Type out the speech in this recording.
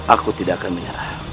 aku tidak akan menyerah